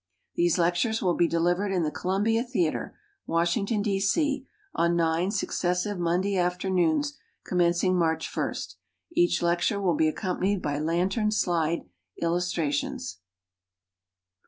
{These lectures will he delivered in the Columbia theater, Washington, D. C, on nine successive Monday afternoons, commencing March 1. Each lecture mill be accompanied by lantern slide illustrations.